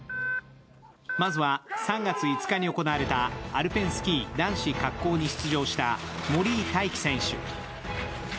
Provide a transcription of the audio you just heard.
まずは３月５日に行われたアルペンスキー男子滑降に出場した森井大輝選手。